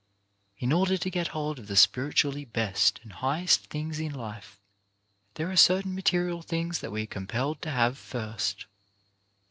In order to get hold of the spiritually best and highest things in life there are certain material things that we are compelled to have first.